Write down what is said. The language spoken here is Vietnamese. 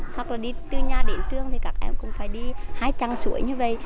hoặc là đi từ nhà đến trường thì các em cũng phải đi hai chăng suối như vậy